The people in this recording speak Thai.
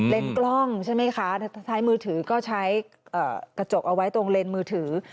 กล้องใช่ไหมคะท้ายมือถือก็ใช้กระจกเอาไว้ตรงเลนส์มือถือ